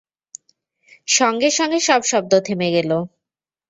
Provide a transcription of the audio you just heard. সঙ্গে-সঙ্গে সব শব্দ থেমে গেল।